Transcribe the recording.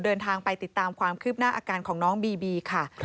เดินทางไปติดตามความคืบหน้าอาการของน้องบีบีค่ะ